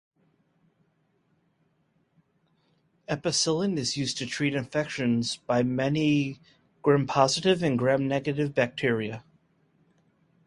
Ampicillin is used to treat infections by many Gram-positive and Gram-negative bacteria.